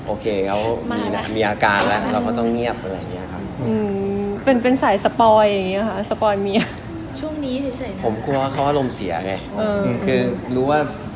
โอเคเขามีอาการแล้วเราก็ต้องเงียบอะไรอย่างนี้ครับ